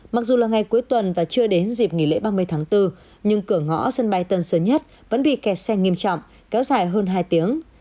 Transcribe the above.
mặc dù là ngày cuối tuần và chưa đến dịp nghỉ lễ ba mươi tháng bốn nhưng cửa ngõ sân bay tân sơn nhất vẫn bị kẹt xe nghiêm trọng kéo dài hơn hai tiếng